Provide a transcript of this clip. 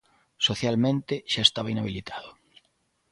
"Socialmente, xa estaba inhabilitado".